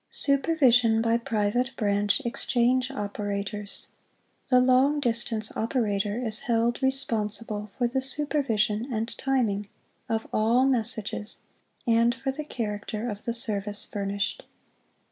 Supervision by Private Branch Exchange OperatorsŌĆö The long distance operator is held responsible for the supervision and timing of all messages and for the character of the service furnished.